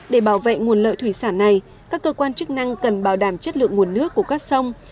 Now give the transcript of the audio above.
để bảo vệ nguồn lợi thủy sản này các cơ quan chức năng cần bảo đảm chất lượng nguồn nước của các sông